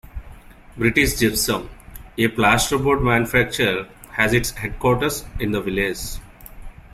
British Gypsum, a plasterboard manufacturer, has its headquarters in the village.